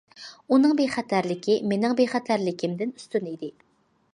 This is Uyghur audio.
ئۇنىڭ بىخەتەرلىكى مېنىڭ بىخەتەرلىكىمدىن ئۈستۈن ئىدى.